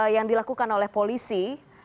yang dilakukan oleh polisi